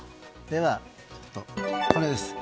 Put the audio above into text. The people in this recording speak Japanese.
では、これです。